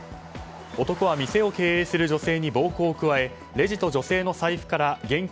男は店を経営する女性に暴行を加えレジと女性の財布から現金